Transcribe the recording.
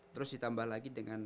terus ditambah lagi dengan